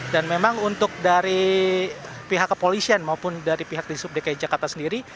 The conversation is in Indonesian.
dan memang untuk dari pihak kepolisian maupun dari pihak di subdekai jakarta sendiri